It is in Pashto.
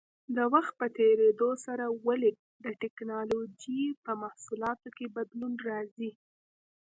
د وخت په تېرېدو سره ولې د ټېکنالوجۍ په محصولاتو کې بدلون راځي؟